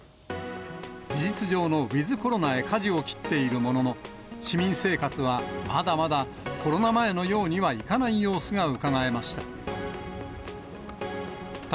事実上のウィズコロナへ、かじを切っているものの、市民生活はまだまだコロナ前のようにはいかない様子がうかがえました。